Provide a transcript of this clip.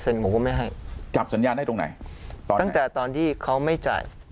โดยทำให้ไม่แกบสัญญาให้ตรงไหนตั้งแต่ตอนที่เขาไม่จ่าย